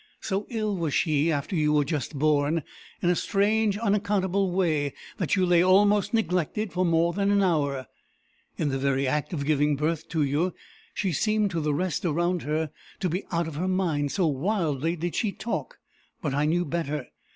So ill was she, after you were just born, in a strange, unaccountable way, that you lay almost neglected for more than an hour. In the very act of giving birth to you, she seemed to the rest around her to be out of her mind, so wildly did she talk; but I knew better.